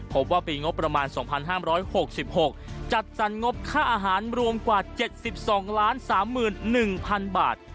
พบว่าปีงบประมาณ๒๕๖๖จัดสรรงบค่าอาหารรวมกว่า๗๒๓๑๐๐๐บาท